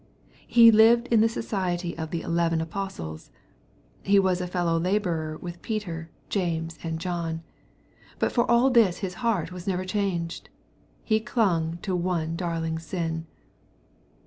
He lived in the jociety of the eleven apostles. He was a fellow laborer with Peter, James, and John. But for all this his heart was never changed. He clung to one darling sin.